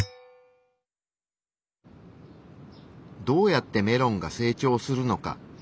どうやってメロンが成長するのか。